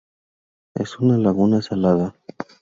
Es una laguna salada.